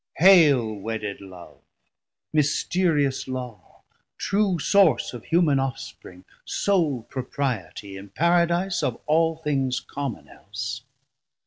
Haile wedded Love, mysterious Law, true source 750 Of human ofspring, sole proprietie, In Paradise of all things common else.